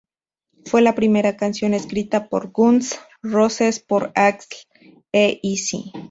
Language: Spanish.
Fue la primera canción escrita para Guns N´ Roses por Axl e Izzy.